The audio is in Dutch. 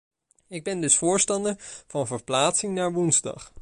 Ik ben dus voorstander van verplaatsing naar woensdag.